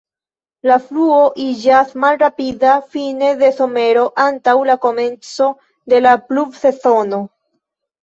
La fluo iĝas malrapida fine de somero antaŭ la komenco de la pluvsezono.